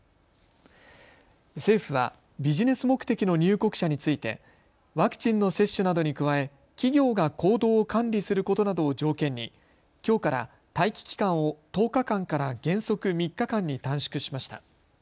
政府はビジネス目的の入国者についてワクチンの接種などに加え企業が行動を管理することなどを条件にきょうから待機期間を１０日間から原則３日間に短縮しました。